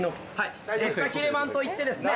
「フカヒレまん」といってですね。